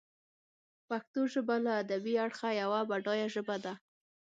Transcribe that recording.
پښتو ژبه له ادبي اړخه یوه بډایه ژبه ده.